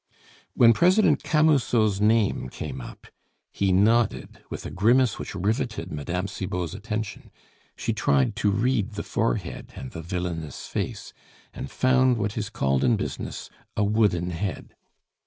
When President Camusot's name came up, he nodded with a grimace which riveted Mme. Cibot's attention. She tried to read the forehead and the villainous face, and found what is called in business a "wooden head."